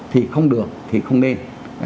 thì không được thì không nên